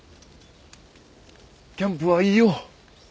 キャンプはいいよ。